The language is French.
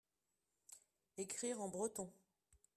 Écrire en breton.